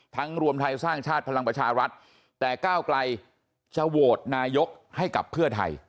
รวมไทยสร้างชาติพลังประชารัฐแต่ก้าวไกลจะโหวตนายกให้กับเพื่อไทย